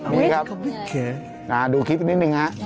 นี่ครับดูคลิปนิดนึงฮะ